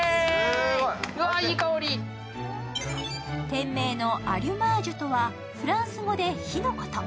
店名のアリュマージュとは、フランス語で「火」のこと。